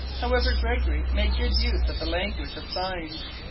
However, Gregory made good use of the language of signs.